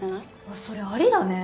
あっそれありだね。